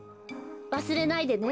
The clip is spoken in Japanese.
わすれないでね。